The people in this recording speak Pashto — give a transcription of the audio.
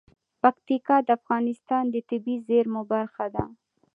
پکتیکا د افغانستان د طبیعي زیرمو برخه ده.